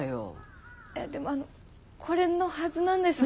いやでもあのこれのはずなんですけど。